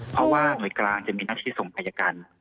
เพราะว่าหน่วยกลางจะมีหน้าที่ส่งอายการ